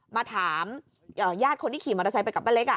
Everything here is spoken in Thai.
มาถามญาติคนที่ขี่มอเตอร์ไซค์ไปกับป้าเล็ก